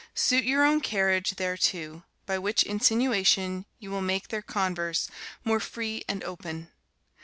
Suit your own carriage thereto, by which insinuation you will make their converse more free and open.